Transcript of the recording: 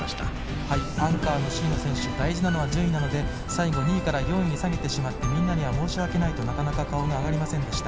アンカーの椎野選手大事なのは順位なので最後、２位から４位に下げてしまってみんなには申し訳ないとなかなか顔も上がりませんでした。